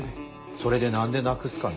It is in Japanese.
それで何でなくすかね。